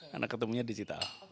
karena ketemunya digital